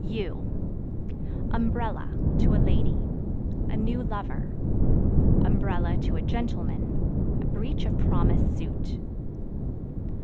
U Umbrella (To a lady) A new lover; (to a gentleman) a breach of promise suit.